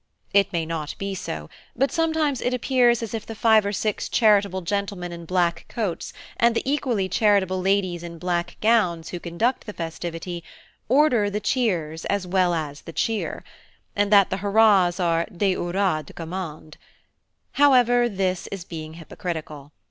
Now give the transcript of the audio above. It may not be so, but sometimes it appears as if the five or six charitable gentlemen in black coats and the equally charitable ladies in black gowns who conduct the festivity order the cheers as well as the cheer; and that the hurrahs are des houras de commande. However, this is being hypercritical.